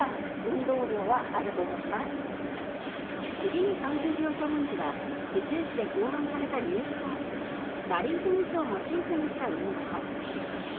次の３０秒チャレンジは府中市で考案されたニュースポーツラリーテニスをモチーフにした運動。